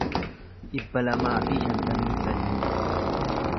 dhibba lamaa fi shantamii sadii